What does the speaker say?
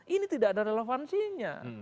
ini tidak ada relevansinya